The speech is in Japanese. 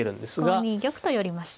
５二玉と寄りましたね。